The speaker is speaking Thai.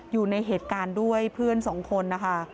อยู่ในเหตุการณ์ด้วยเพื่อนสองคนนะคะ